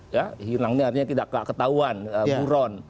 ya hilangnya artinya tidak ketahuan buron